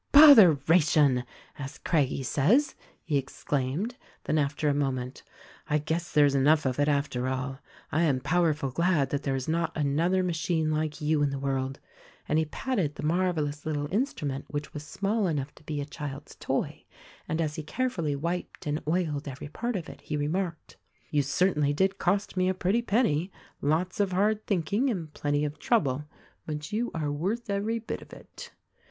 "Botheration ! as Craggie says," he exclaimed ; then after a moment — "I guess there is enough of it, after all. I'm powerful glad that there is not another machine like you in the world," and he patted the marvelous little instrument which was small enough to be a child's toy ; and as he care fully wiped and oiled every part of it he remarked: "You certainly did cost me a pretty penny, lots of hard thinking, and plenty of trouble ; but you are worth every bit of it."